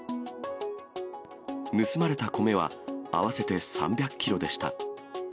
盗まれた米は合わせて３００キロでした。